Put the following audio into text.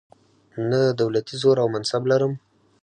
نه دولتي زور او منصب لرم.